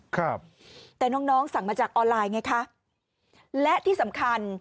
ครับแต่น้องน้องสั่งมาจากออนไลน์ไงคะและที่สำคัญ